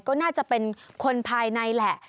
ก็น่าจะเป็นคนภายในแหละ